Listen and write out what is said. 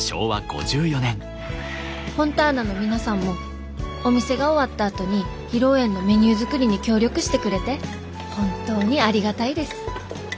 「フォンターナの皆さんもお店が終わったあとに披露宴のメニュー作りに協力してくれて本当にありがたいです。